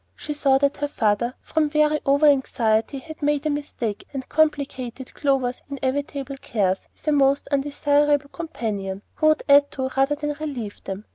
She saw that her father, from very over anxiety, had made a mistake, and complicated Clover's inevitable cares with a most undesirable companion, who would add to rather than relieve them.